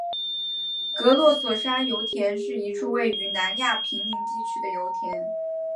格罗索山油田是一处位于南亚平宁地区的油田。